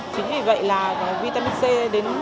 chính vì vậy là vitamin c đến